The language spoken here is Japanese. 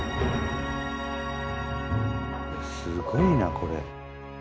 すごいなこれ。